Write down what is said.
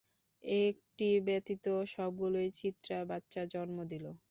একটি ব্যতীত সবগুলোই চিত্রা বাচ্চা জন্ম দিল।